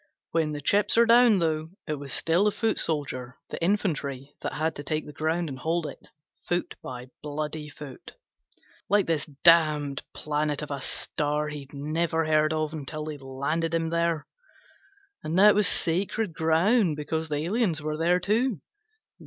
When the chips are down, though, it was still the foot soldier, the infantry, that had to take the ground and hold it, foot by bloody foot. Like this damned planet of a star he'd never heard of until they'd landed him there. And now it was sacred ground because the aliens were there too.